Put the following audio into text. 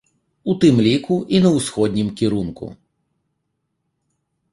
У тым ліку, і на ўсходнім кірунку.